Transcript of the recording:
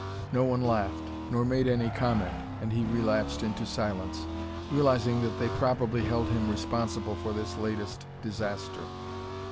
No one laughed, nor made any comment, and he relapsed into silence, realizing that they probably held him responsible for this latest disaster.